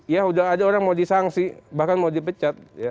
ya udah ada orang mau disangsi bahkan mau dipecat